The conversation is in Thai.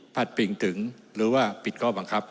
ปิงถึงหรือว่าปิดข้อบังคับ